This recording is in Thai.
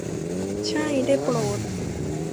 ใช่ได้โปรด !